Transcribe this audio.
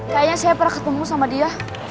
kayaknya saya pernah ketemu sama dia